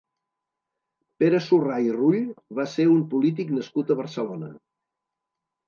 Pere Surrà i Rull va ser un polític nascut a Barcelona.